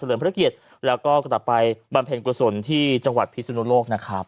เสลิมพระเกียจแล้วก็ต่อไปบรรเภณกวสลที่จังหวัดพิสุนโลกนะครับ